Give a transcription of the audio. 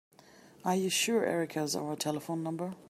Are you sure Erik has our telephone number?